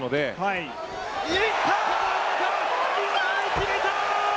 決めた！